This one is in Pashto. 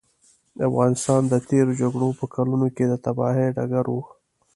افغانستان د تېرو جګړو په کلونو کې د تباهیو ډګر و.